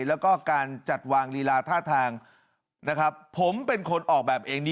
และการจัดวางลีลาท่าทางผมเป็นคนออกแบบเอง